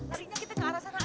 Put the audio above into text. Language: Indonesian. lari kita ke atas sana aja